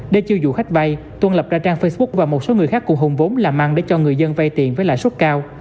để chiêu dụ khách vay tuân lập ra trang facebook và một số người khác cùng hùng vốn làm ăn để cho người dân vay tiền với lãi suất cao